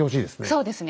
そうですね。